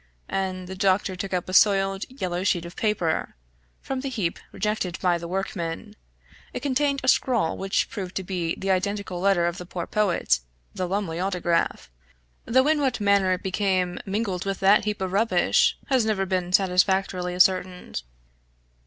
and the doctor took up a soiled, yellow sheet of paper, from the heap rejected by the workman; it contained a scrawl which proved to be the identical letter of the poor poet, the Lumley autograph, though in what manner it became mingled with that heap of rubbish has never been satisfactorily ascertained.